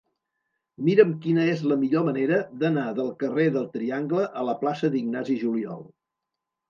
Mira'm quina és la millor manera d'anar del carrer del Triangle a la plaça d'Ignasi Juliol.